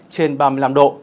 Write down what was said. trên ba mươi năm độ